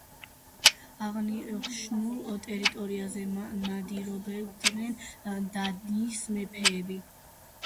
აღნიშნულ ტერიტორიაზე ნადირობდნენ დანიის მეფეები.